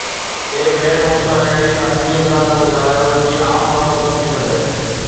اي ڀيڻ، مون سان اهڙي سادي انداز ۾ ڳالهايو، جيئن عام ماڻهو سمجهي سگهن